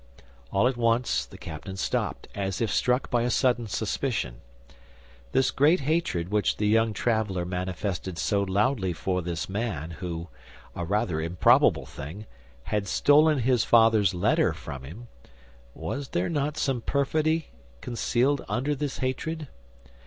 All at once the captain stopped, as if struck by a sudden suspicion. This great hatred which the young traveler manifested so loudly for this man, who—a rather improbable thing—had stolen his father's letter from him—was there not some perfidy concealed under this hatred?